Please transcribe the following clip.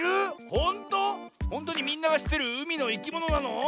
ほんとにみんながしってるうみのいきものなの？